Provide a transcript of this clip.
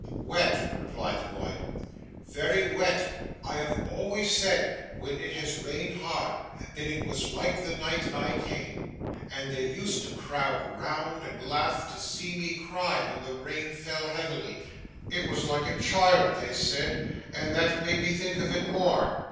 'Wet,' replied the boy. 'Very wet. I have always said, when it has rained hard, that it was like the night I came: and they used to crowd round and laugh to see me cry when the rain fell heavily. It was like a child, they said, and that made me think of it more.